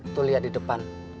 tuh liat di depan